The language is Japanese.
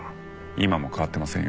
今も変わってませんよ。